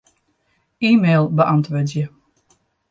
E-mail beäntwurdzje.